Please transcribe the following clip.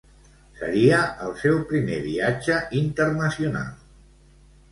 Seria el seu primer viatge internacional.